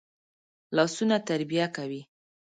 لاسونه تربیه کوي